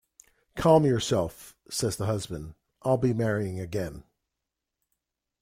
"Calm yourself," says the husband, "I'll be marrying again"'.